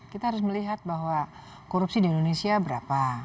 kita harus melihat bahwa korupsi di indonesia berapa